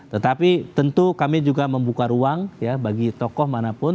tetapi tentu kami juga membuka ruang ya bagi tokoh manapun